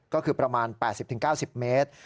ก็คือประมาณ๘๐๙๐เมตร